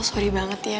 sorry banget ya